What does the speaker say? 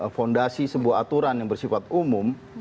fondasi sebuah aturan yang bersifat umum